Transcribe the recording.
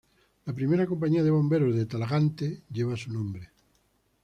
La primera compañía de bomberos de Talagante lleva su nombre.